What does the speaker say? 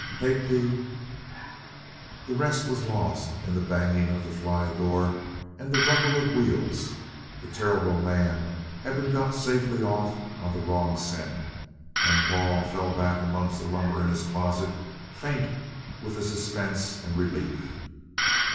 Take the " The rest was lost in the banging of the fly door and the rumble of wheels; the terrible man had been got safely off on a wrong scent, and Paul fell back amongst the lumber in his closet, faint with the suspense and relief.